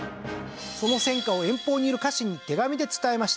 その戦果を遠方にいる家臣に手紙で伝えました。